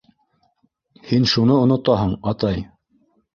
Һин шуны онотаһың, атай.